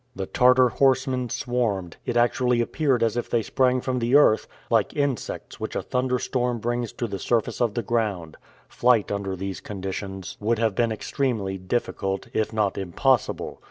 The Tartar horsemen swarmed it actually appeared as if they sprang from the earth like insects which a thunderstorm brings to the surface of the ground. Flight under these conditions would have been extremely difficult, if not impossible.